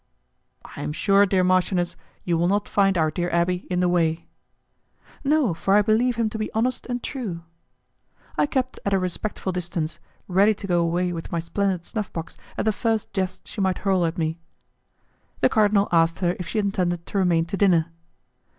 "I am sure, dear marchioness, you will not find our dear abbé in the way." "No, for I believe him to be honest and true." I kept at a respectful distance, ready to go away with my splendid snuff box at the first jest she might hurl at me. The cardinal asked her if she intended to remain to dinner.